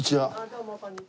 どうもこんにちは。